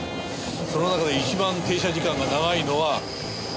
その中で一番停車時間が長いのは長岡駅だ。